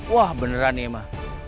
wah beneran ini mah